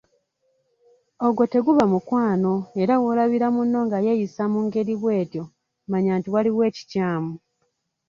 Ogwo teguba mukwano era w'olabira munno nga yeeyisa mu ngeri bw'etyo mannya nti waliwo ekikyamu.